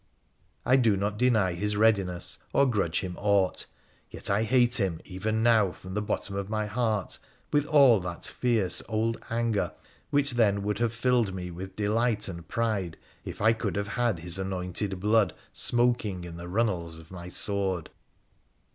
I do not deny his readiness or grudge him aught, yet I hate him even now from the bottom of my heart with all that fierce old anger which then would have filled me with delight and pride if I could have had his anointed blood smoking in the runnels of my sword.